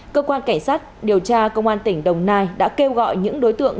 cơ quan cảnh sát điều tra công an tỉnh đồng nai đã kêu gọi những đối tượng